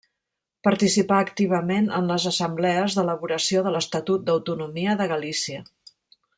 Participà activament en les assemblees d'elaboració de l'Estatut d'Autonomia de Galícia.